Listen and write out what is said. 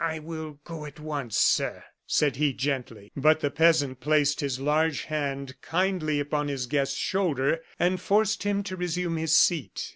"I will go at once, sir," said he, gently. But the peasant placed his large hand kindly upon his guest's shoulder, and forced him to resume his seat.